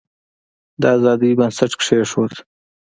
د آزادی بنسټ کښېښود.